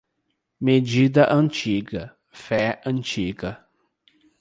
Medida antiga, fé antiga.